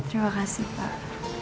terima kasih pak